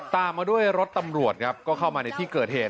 ตามมาด้วยรถตำรวจครับก็เข้ามาในที่เกิดเหตุ